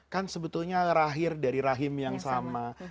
kan sebetulnya lahir dari rahim yang sama